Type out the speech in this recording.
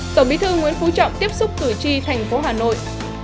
tổng bí thư nguyễn phú trọng tiếp xúc cử tri thành phố hà nội